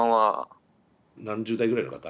何十代ぐらいの方？